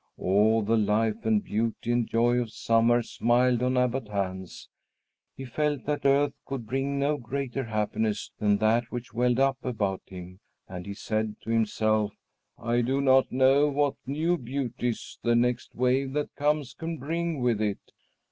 All the life and beauty and joy of summer smiled on Abbot Hans. He felt that earth could bring no greater happiness than that which welled up about him, and he said to himself, "I do not know what new beauties the next wave that comes can bring with it."